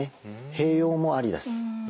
併用もありです。